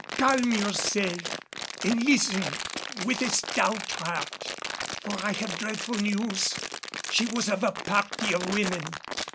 calm yourself and listen with a stout heart for I have dreadful news. She was of a party of women.